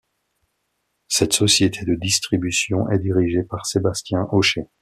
Cette société de distribution est dirigée par Sébastien Auscher.